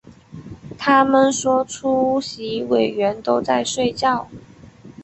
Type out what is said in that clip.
他们说出席委员都在睡觉